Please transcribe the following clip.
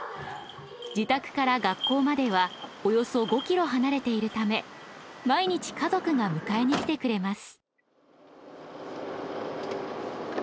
自宅から学校まではおよそ５キロ離れているため毎日家族が迎えにきてくれます。